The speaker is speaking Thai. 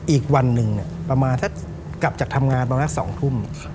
อีกวันหนึ่งแบบประมาณถ้ากลับจากทำงานก็เป็นงานนักศักดิ์๒ทุ่ม